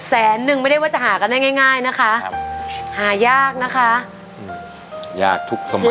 แสนนึงไม่ได้ว่าจะหากันได้ง่ายง่ายนะคะครับหายากนะคะยากทุกสมัย